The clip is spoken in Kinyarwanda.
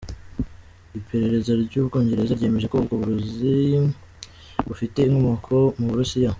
Iperereza ry’u Bwongereza ryemeje ko ubwo burozi bufite inkomoko mu Burusiya.